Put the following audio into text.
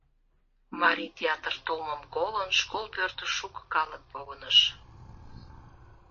Марий театр толмым колын, школ пӧртыш шуко калык погыныш.